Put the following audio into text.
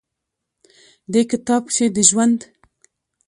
دې کتاب کښې د ژوند